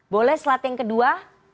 boleh slide yang kedua